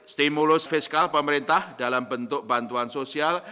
stimulus fiskal pemerintah dalam bentuk bantuan sosial